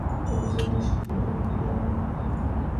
অথচ শিক্ষাজীবনের শেষ সময়ে এসে দেশের নিষ্ঠুর রাজনীতি কেড়ে নিল তার জীবন।